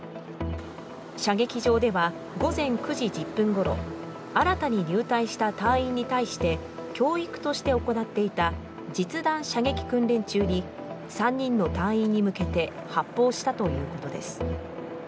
射撃場では午前９時１０分ごろ、新たに入隊した隊員に対して教育として行っていた実弾射撃訓練中に３人の隊員に向けて発砲したということです。